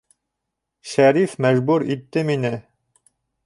Шәриф мәжбүр итте мине!..